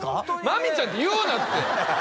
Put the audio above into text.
まみちゃんって言うなって！